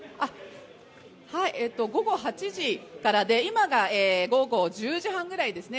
午後８時からで、今が午後１０時半ぐらいですね。